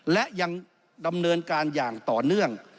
และยังดำเนินการอย่างต่อเนื่อง